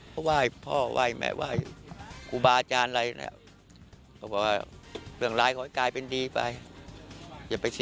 เพราะว่าให้พ่อว่าให้แม่ว่าให้กุบาอาจารย์อะไร